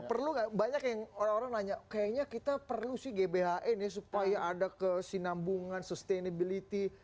perlu nggak banyak yang orang orang nanya kayaknya kita perlu sih gbhn ya supaya ada kesinambungan sustainability